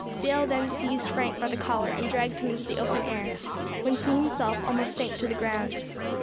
Dale then seized Frank by the collar, and dragged him into the open air, when he himself almost sank to the ground.